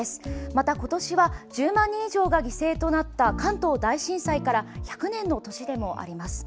また、今年は１０万人以上が犠牲となった関東大震災から１００年の年でもあります。